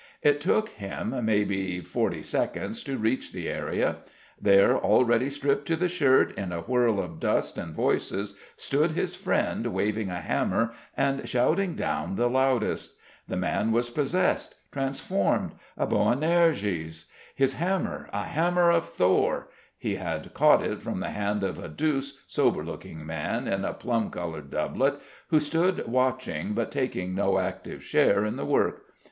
It took him, maybe, forty seconds to reach the area. There already, stripped to the shirt, in a whirl of dust and voices, stood his friend waving a hammer and shouting down the loudest. The man was possessed, transformed, a Boanerges; his hammer, a hammer of Thor! He had caught it from the hand of a douce, sober looking man in a plum coloured doublet, who stood watching but taking no active share in the work.